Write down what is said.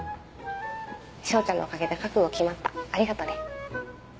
彰ちゃんのおかげで覚悟決まったありがとね。